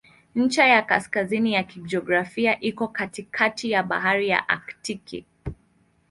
Ncha ya kaskazini ya kijiografia iko katikati ya Bahari ya Aktiki.